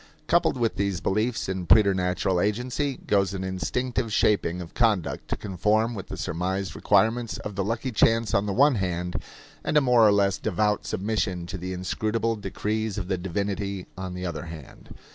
Coupled with these beliefs in preternatural agency goes an instinctive shaping of conduct to conform with the surmised requirements of the lucky chance on the one hand, and a more or less devout submission to the inscrutable decrees of the divinity on the other hand.